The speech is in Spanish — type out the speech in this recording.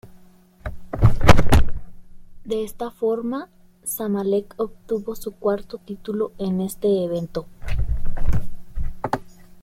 De esta forma, Zamalek obtuvo su cuarto título en este evento.